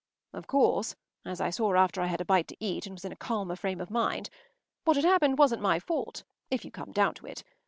” Of course, as I saw after I had had a bite to eat and was in a calmer frame of mind, what had happened wasn’t my fault, if you come down to it.